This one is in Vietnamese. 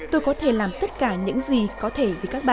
tôi có thể làm tất cả những gì có thể